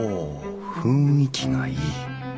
雰囲気がいい。